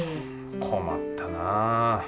困ったな。